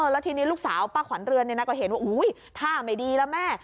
อ้อและทีนี้ลูกสาวป้าขวัญเรือนเนี้ยยังก็เห็นว่าอุ้ยท่ามายดีละแม่